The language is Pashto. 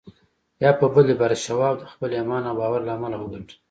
يا په بل عبارت شواب د خپل ايمان او باور له امله وګټل.